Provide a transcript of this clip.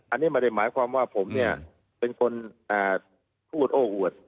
อันนี้ไม่ได้หมายความว่าผมเนี่ยเป็นคนพูดโอ้อวด